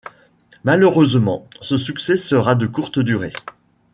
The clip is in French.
Malheureusement, ce succès sera de courte durée.